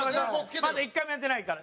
まだ１回もやってないから。